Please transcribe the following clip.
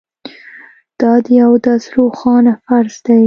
دا د اودس روښانه فرض دی